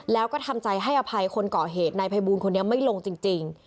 แล้วก็ทำใจให้อภัยคนก่อเหตุนายภัยบูลคนนี้ไม่ลงจริง